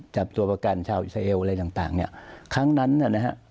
จับตัวประกันชาวอิสราเอลอะไรต่างต่างเนี่ยครั้งนั้นน่ะนะฮะ